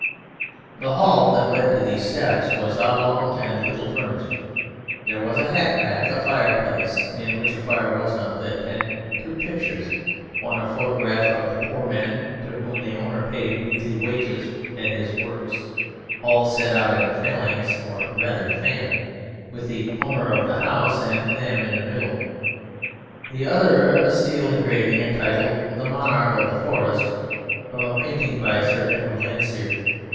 The hall that led to these steps was oblong and little furnished. There was a hat rack, a fireplace (in which a fire was not lit) and two pictures; one a photograph of the poor men to whom the owner paid weekly wages at his Works, all set out in a phalanx, or rather fan, with the Owner of the House (and them) in the middle, the other a steel engraving entitled "The Monarch of the Forest," from a painting by Sir Edwin Landseer.